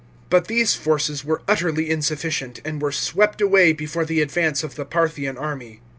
But these forces were utterly insufficient, and were swept away before the advance of the Parthian army.